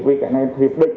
vì cái này hiệp định